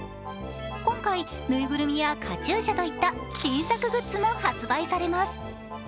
今回、ぬいぐるみやカチューシャといった、新作グッズも発売されます。